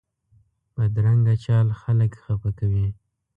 بدرنګه چال خلک خفه کوي